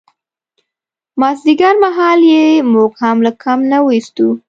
مازدیګرمهال یې موږ هم له کمپ نه ویستو.